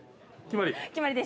決まり？